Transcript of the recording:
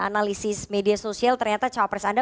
analisis media sosial ternyata cawapres anda